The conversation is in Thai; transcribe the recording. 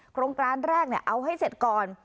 โครงการแรกเอาให้เสร็จก่อน